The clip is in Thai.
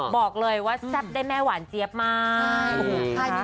บอกเลยว่าแซ่บได้แม่หวานเจี๊ยบมาก